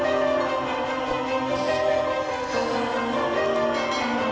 berjanjilah nak demi ibu